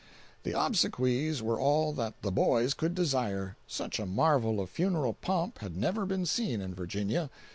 ] The obsequies were all that "the boys" could desire. Such a marvel of funeral pomp had never been seen in Virginia.